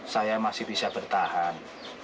saya masih bisa bertahan